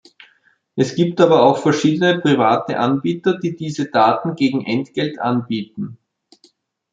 Es gibt aber auch verschiedene private Anbieter, die diese Daten gegen Entgelt anbieten.